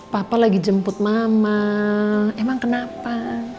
papa lagi jemput mama emang kenapa